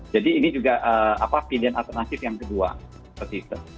jadi ini juga pilihan alternatif yang kedua seperti itu